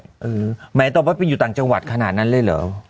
หมายตอบว่าไปอยู่ต่างจังหวัดขนาดนั้นเลยเหรอ